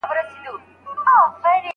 که مخالفت راسي لارښود یې باید ومني.